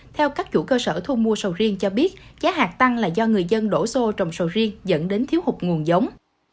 theo các chủ cơ sở thu mua sầu riêng cho biết giá hạt tăng là do người dân đổ xô trồng sầu riêng dẫn đến thiếu hụt nguồn giống